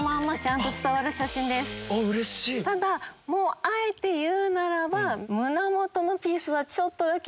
ただあえて言うならば。